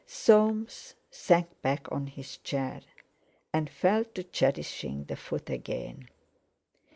Soames sank back on his chair, and fell to cherishing the foot again.